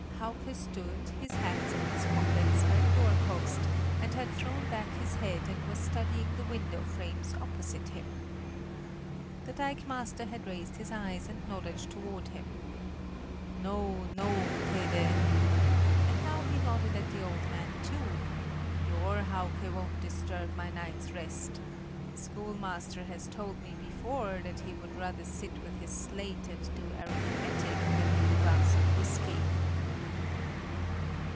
Hauke stood, his hands in his pockets, by the door post, and had thrown back his head and was studying the window frames opposite him. The dikemaster had raised his eyes and nodded toward him: "No, no, Tede," and now he nodded at the old man too; "your Hauke won't disturb my night's rest; the schoolmaster has told me before that he would rather sit with his slate and do arithmetic than with a glass of whiskey."